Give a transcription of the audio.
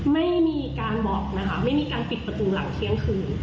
ไม่มีการบอกนะคะไม่มีการปิดประตูหลังเที่ยงคืน